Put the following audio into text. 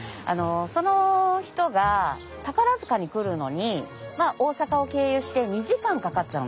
その人が宝塚に来るのに大阪を経由して２時間かかっちゃうんですよ。